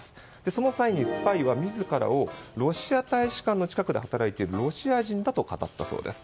その際に、スパイは自らをロシア大使館の近くで働いているロシア人だと語ったそうです。